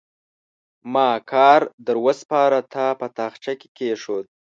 ما کار در وسپاره؛ تا په تاخچه کې کېښود.